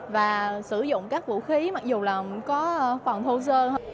và sử dụng các vũ khí mặc dù là có phần thô sơ